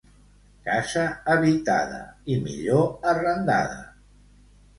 Casa habitada, i millor arrendada.